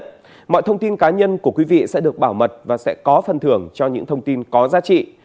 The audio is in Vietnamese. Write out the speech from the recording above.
tuy nhiên mọi thông tin cá nhân của quý vị sẽ được bảo mật và sẽ có phân thưởng cho những thông tin có giá trị